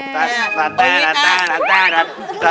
ได้เลยค่ะอย่างนั้นแหละค่ะ